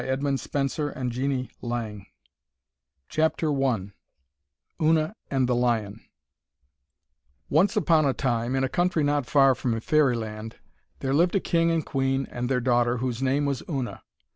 Florimell's golden hair flew behind her, 102 I UNA AND THE LION Once upon a time, in a country not far from Fairyland, there lived a king and queen and their daughter, whose name was Una.